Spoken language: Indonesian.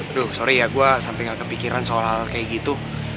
aduh sorry ya gue sampai gak kepikiran soal hal kayak gitu